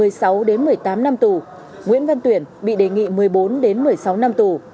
trong nhóm tội giết người bị cáo nguyễn văn tuyển bị đề nghị một mươi bốn một mươi sáu năm tù